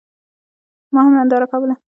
ما هم ننداره کوله.